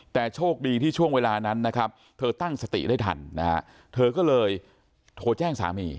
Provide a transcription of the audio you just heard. แต่โชคดีที่ช่วงเวลานั้นนะครับเธอตั้งสติได้ทันนะฮะเธอก็เลยโทรแจ้งสามี